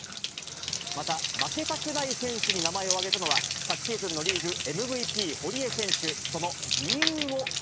また、負けたくない選手に名前を挙げたのは、昨シーズンのリーグＭＶＰ、堀江選手。